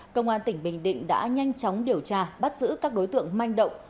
công an tỉnh bình định đã nhanh chóng điều tra bắt giữ các đối tượng manh động